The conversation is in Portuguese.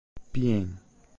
Piên